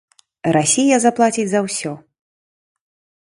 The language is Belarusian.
Расія заплаціць за ўсё!